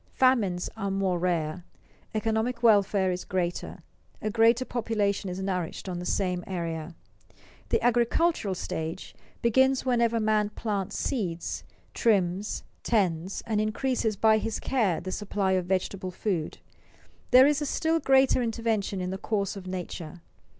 Famines are more rare, economic welfare is greater, a greater population is nourished on the same area. The agricultural stage begins whenever man plants seeds, trims, tends, and increases by his care the supply of vegetable food. This is a still greater intervention in the course of nature.